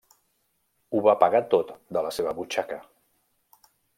Ho va pagar tot de la seva butxaca.